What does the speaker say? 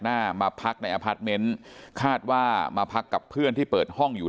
หน้ามาพักในอพาร์ทเมนต์คาดว่ามาพักกับเพื่อนที่เปิดห้องอยู่